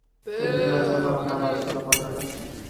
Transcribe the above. په رضا سره به راسره بدرګه شو.